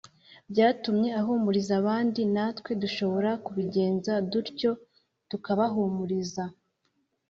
byatumye ahumuriza abandi Natwe dushobora kubigenza dutyo tukabahumiriza